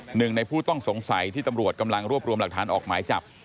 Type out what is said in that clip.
หนึ่งในผู้ต้องสงสัยที่ตำรวจกำลังรวบรวมหลักฐานออกหมายจับ